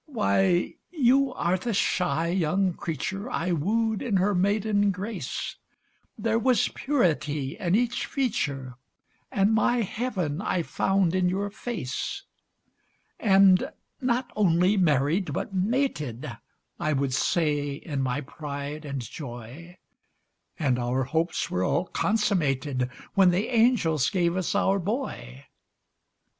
Why, you are the shy young creature I wooed in her maiden grace; There was purity in each feature, And my heaven I found in your face. And, "not only married but mated," I would say in my pride and joy; And our hopes were all consummated When the angels gave us our boy.